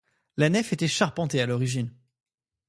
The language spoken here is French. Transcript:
La nef était charpentée à l'origine.